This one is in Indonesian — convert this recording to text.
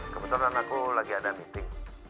kebetulan aku lagi ada meeting